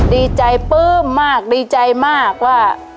ดีใจปลื้มมากดีใจมากว่า